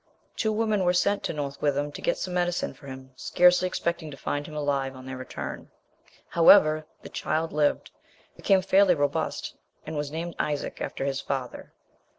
Two women who were sent to North Witham to get some medicine for him scarcely expected to find him alive on their return. However, the child lived, became fairly robust, and was named Isaac, after his father.